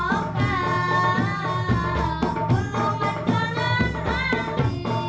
aku akan bahkan selamat